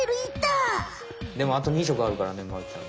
でもあと２色あるからねまるちゃん。